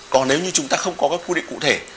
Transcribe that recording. còn nếu như chúng ta không có các quy định cụ thể